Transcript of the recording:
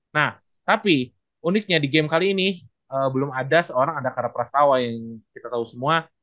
nah tapi uniknya di game kali ini belum ada seorang adakara prastawa yang kita tahu semua